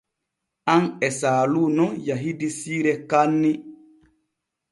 An e Saalu nun yahidi siire kaanni.